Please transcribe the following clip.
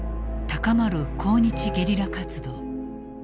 高まる抗日ゲリラ活動。